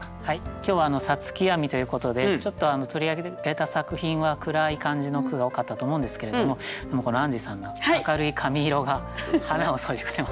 今日は「五月闇」ということでちょっと取り上げた作品は暗い感じの句が多かったと思うんですけれどもでもアンジーさんの明るい髪色が花を添えてくれまして。